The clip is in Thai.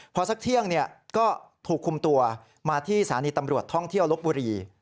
พอสักเที่ยงก็ถูกคุมตัวมาที่สถานีตำรวจท่องเที่ยวลบบุรี